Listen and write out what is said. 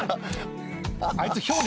あいつ。